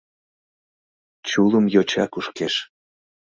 Чулым йоча кушкеш.